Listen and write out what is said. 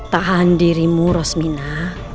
tahan dirimu rosmina